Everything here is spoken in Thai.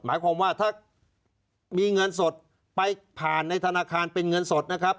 หมายความว่าถ้ามีเงินสดไปผ่านในธนาคารเป็นเงินสดนะครับ